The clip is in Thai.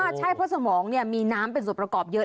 ใช่เพราะสมองมีน้ำเป็นส่วนประกอบเยอะ